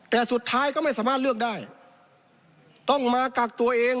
แต่สุดท้ายก็ไม่สามารถเลือกได้ต้องมากักตัวเอง